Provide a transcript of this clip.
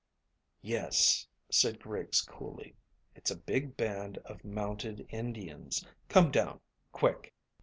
"Yes," said Griggs coolly; "it's a big band of mounted Indians. Come down, quick."